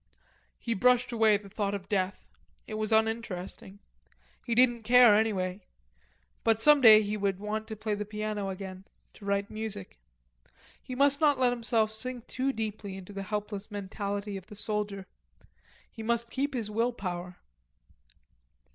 He brushed away the thought of death. It was uninteresting. He didn't care anyway. But some day he would want to play the piano again, to write music. He must not let himself sink too deeply into the helpless mentality of the soldier. He must keep his will power.